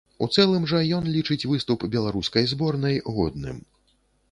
У цэлым жа ён лічыць выступ беларускай зборнай годным.